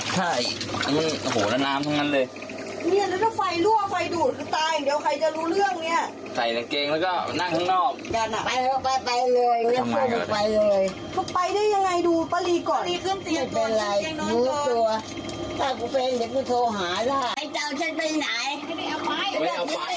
ถ้าไปแบบนี้ก็โทหาละ